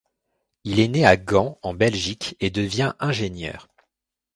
Il est né à Gand en Belgique et devint ingénieur.